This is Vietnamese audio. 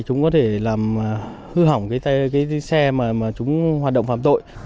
chúng có thể làm hư hỏng cái xe mà chúng hoạt động phạm tội